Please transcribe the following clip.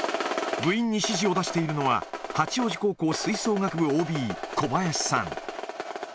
部員に指示を出しているのは、八王子高校吹奏楽部ＯＢ、小林さん。